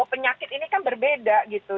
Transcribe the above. penyakit ini kan berbeda gitu